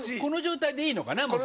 この状態でいいのかな？